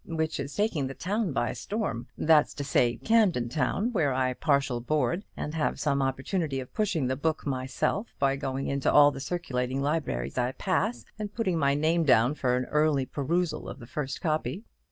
which is taking the town by storm; that's to say, Camden Town, where I partial board, and have some opportunity of pushing the book myself by going into all the circulating libraries I pass, and putting my name down for an early perusal of the first copy.